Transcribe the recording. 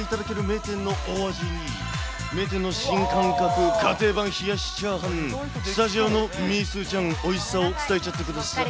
名店の新感覚、家庭版冷しチャーハン、スタジオのミースーちゃん、おいしさを伝えちゃってください。